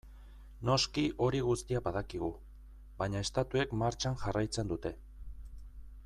Noski hori guztia badakigu, baina estatuek martxan jarraitzen dute.